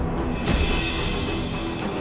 masa itu dia